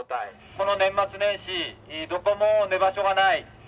この年末年始どこも寝場所がない。